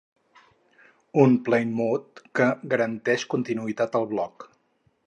Un plane mode que garanteix continuïtat al bloc.